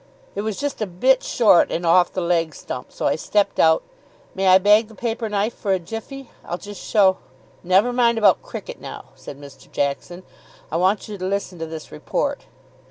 "It was just a bit short and off the leg stump, so I stepped out may I bag the paper knife for a jiffy? I'll just show " "Never mind about cricket now," said Mr. Jackson; "I want you to listen to this report."